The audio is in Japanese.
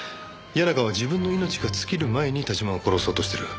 谷中は自分の命が尽きる前に田島を殺そうとしてる。